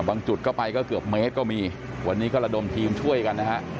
จุดก็ไปก็เกือบเมตรก็มีวันนี้ก็ระดมทีมช่วยกันนะฮะ